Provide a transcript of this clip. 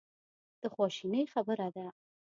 د خواشینۍ خبره ده.